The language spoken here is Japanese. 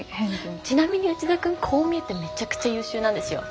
ちなみに内田君こう見えてめちゃくちゃ優秀なんですよ。